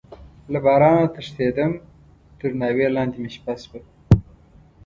له بارانه تښتيدم، تر ناوې لاندې مې شپه شوه.